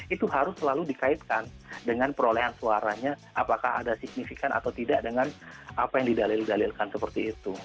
itu harus selalu dikaitkan dengan perolehan suaranya apakah ada signifikan atau tidak dengan apa yang didalil dalilkan seperti itu